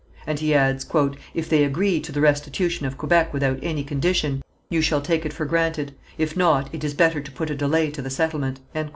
And he adds: "If they agree to the restitution of Quebec without any condition, you shall take it for granted, if not, it is better to put a delay to the settlement."